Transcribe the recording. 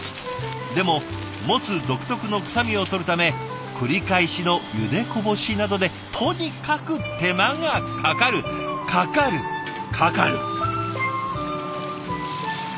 でもモツ独特の臭みを取るため繰り返しのゆでこぼしなどでとにかく手間がかかるかかるかかる！